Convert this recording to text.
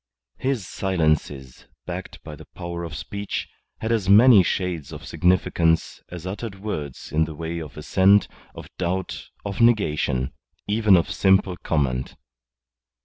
His silences, backed by the power of speech, had as many shades of significance as uttered words in the way of assent, of doubt, of negation even of simple comment.